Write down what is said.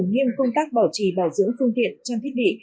nghiêm công tác bảo trì bảo dưỡng phương tiện trang thiết bị